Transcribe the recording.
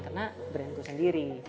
karena brandku sendiri